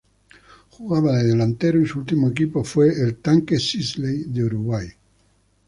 Jugaba de delantero y su último equipo fue el Tanque Sisley de Uruguay.